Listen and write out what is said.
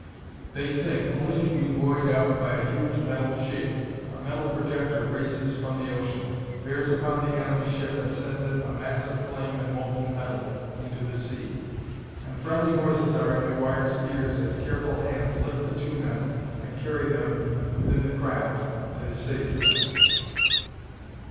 They sink, only to be buoyed up by a huge metal shape. A metal projector raises from the ocean, bears upon the enemy ship and sends it, a mass of flame and molten metal, into the sea. And friendly voices are in McGuire's ears as careful hands lift the two men and carry them within the craft that has saved them.